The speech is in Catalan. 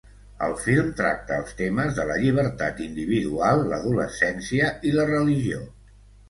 El film tracta els temes de la llibertat individual, l'adolescència i la religió.